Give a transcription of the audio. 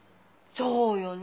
そうよね？